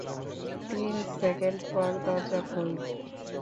তিন সেকেন্ড পর, দরজা খুলবে।